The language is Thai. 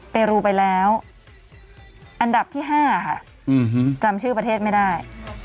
เปรูไปแล้วอันดับที่๕ค่ะจำชื่อประเทศไม่ได้